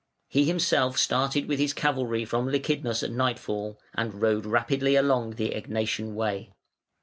He himself started with his cavalry from Lychnidus at nightfall, and rode rapidly along the Egnatian Way.